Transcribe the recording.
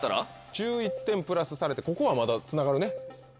１１点プラスされてここはまだつながるね。